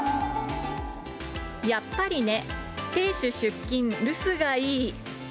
やっぱりね亭主出勤留守がいい。